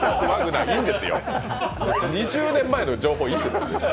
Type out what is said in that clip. ２０年前の情報、いいです。